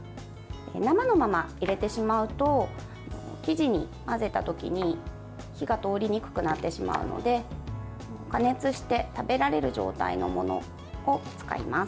生のまま入れてしまうと生地に混ぜたときに火が通りにくくなってしまうので加熱して食べられる状態のものを使います。